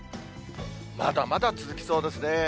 まだまだ続きそうですね。